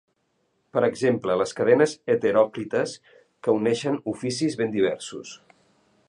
Per exemple, les cadenes heteròclites que uneixen oficis ben diversos.